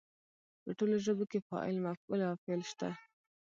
په ټولو ژبو کې فاعل، مفعول او فعل شته.